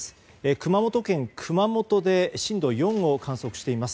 熊本県の熊本で震度４を観測しています。